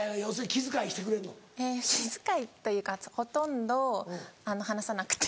気遣いというかほとんど話さなくて。